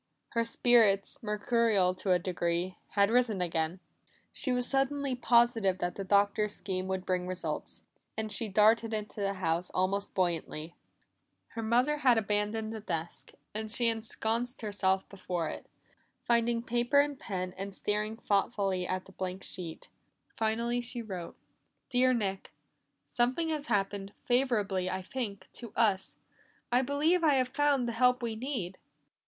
Her spirits, mercurial to a degree, had risen again. She was suddenly positive that the Doctor's scheme would bring results, and she darted into the house almost buoyantly. Her mother had abandoned the desk, and she ensconced herself before it, finding paper and pen, and staring thoughtfully at the blank sheet. Finally she wrote. "Dear Nick "Something has happened, favorable, I think, to us. I believe I have found the help we need.